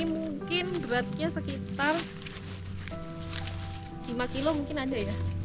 ini mungkin beratnya sekitar lima kilo mungkin ada